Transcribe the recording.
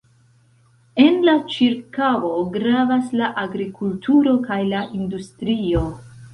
En la ĉirkaŭo gravas la agrikulturo kaj la industrio.